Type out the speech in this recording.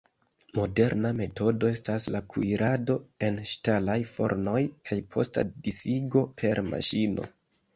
Moderna metodo estas la kuirado en ŝtalaj fornoj kaj posta disigo per maŝino.